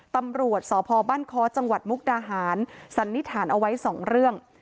ตำรวจสพบ้านค้อจังหวัดมุกดาหารสันนิษฐานเอาไว้สองเรื่อง